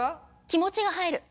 気持ちが入る。